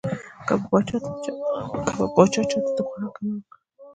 که به پاچا چا ته د خوراک امر وکړ.